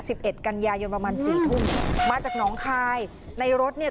เอ็ดกันยายนประมาณสี่ทุ่มมาจากหนองคายในรถเนี้ย